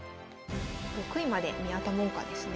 ６位まで宮田門下ですね。